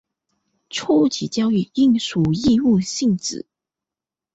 初级教育应属义务性质。